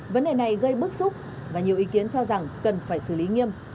vấn đề này gây bức xúc và nhiều ý kiến cho rằng cần phải xử lý nghiêm